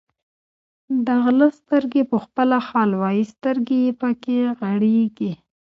د غله سترګې په خپله حال وایي، سترګې یې پکې غړېږي.